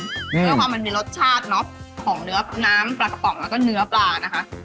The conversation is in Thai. เพื่อความมันมีรสชาติเนอะของเนื้อน้ำปลากระป๋องแล้วก็เนื้อปลานะคะ